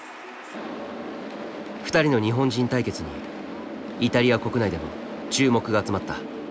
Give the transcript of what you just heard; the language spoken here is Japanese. ２人の日本人対決にイタリア国内でも注目が集まった。